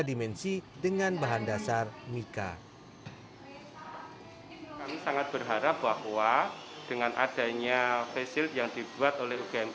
dimensi dengan bahan dasar mika sangat berharap bahwa dengan adanya facial yang dibuat oleh game